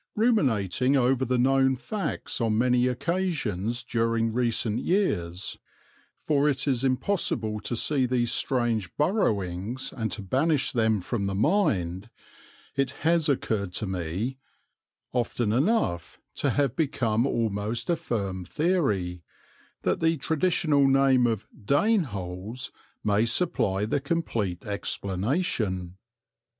Ruminating over the known facts on many occasions during recent years, for it is impossible to see these strange burrowings and to banish them from the mind, it has occurred to me, often enough to have become almost a firm theory, that the traditional name of "Dane holes" may supply the complete explanation.